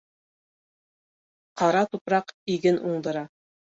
Ҡара тупраҡ иген уңдыра.